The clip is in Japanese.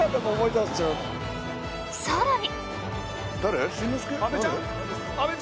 更に。